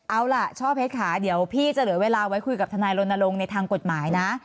เอาล่ะช่อเพชรค่ะเดี๋ยวพี่จะเหลือเวลาไว้คุยกับทนายรณรงค์ในทางกฎหมายนะ